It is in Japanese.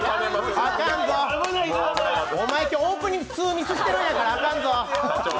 お前、今日オープニング２ミスしてるんやからあかんぞ。